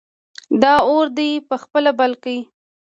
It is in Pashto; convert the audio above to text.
دا اور دې په خپله بل کړ!